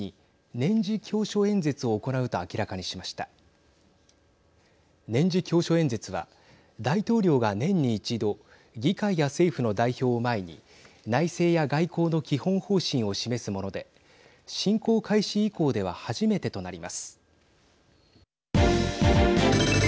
年次教書演説は大統領が年に１度議会や政府の代表を前に内政や外交の基本方針を示すもので侵攻開始以降では初めてとなります。